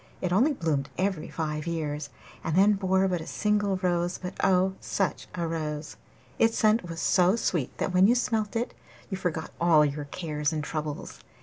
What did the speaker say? It only bloomed every five years, and then bore but a single rose, but oh, such a rose! Its scent was so sweet that when you smelt it you forgot all your cares and troubles.